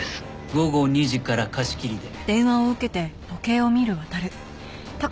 午後２時から貸し切りで。